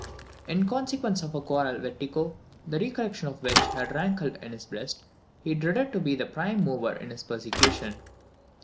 In consequence of a quarrel with Tycho, the recollection of which had rankled in his breast, he dreaded to be the prime mover in his persecution.